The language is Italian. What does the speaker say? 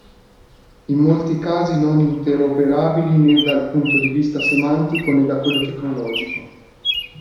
In molti casi non interoperabili né dal punto di vista semantico né da quello tecnologico.